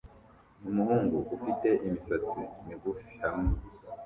Umuhungu ufite imisatsi migufi hamwe